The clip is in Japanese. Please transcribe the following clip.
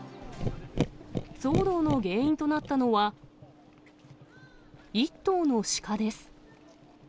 騒動の原因となったのは、１頭のシカです。